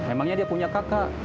emangnya dia punya kakak